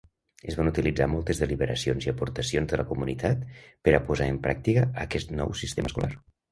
Es van utilitzar moltes deliberacions i aportacions de la comunitat per a posar en pràctica aquest nou sistema escolar.